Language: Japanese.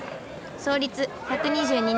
創立１２２年。